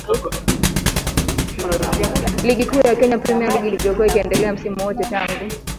league kuu ya kenya premier league ilivyokuwa ikiendelea msimu wote tangu